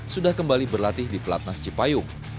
sudah kembali berlatih di pelatnas cipayung